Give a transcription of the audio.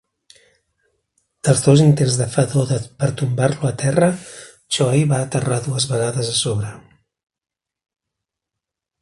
Dels dos intents de Fedor per tombar-lo a terra, Choi va aterrar dues vegades a sobre.